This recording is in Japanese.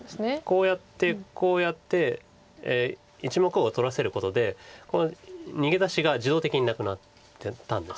こうやってこうやって１目を取らせることで逃げ出しが自動的になくなったんです。